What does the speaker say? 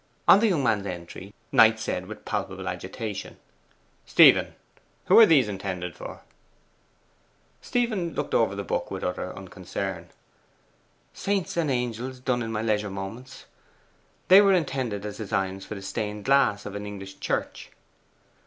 On the young man's entry, Knight said with palpable agitation 'Stephen, who are those intended for?' Stephen looked over the book with utter unconcern, 'Saints and angels, done in my leisure moments. They were intended as designs for the stained glass of an English church.